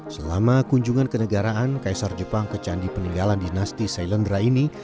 selama kunjungan kenegaraan kaisar jepang ke candi peninggalan dinasti sailendra ini